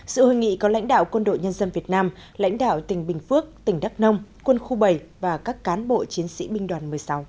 sự hội nghị có lãnh đạo quân đội nhân dân việt nam lãnh đạo tỉnh bình phước tỉnh đắk nông quân khu bảy và các cán bộ chiến sĩ binh đoàn một mươi sáu